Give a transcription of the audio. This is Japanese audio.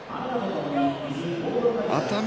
熱海